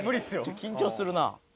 緊張するな。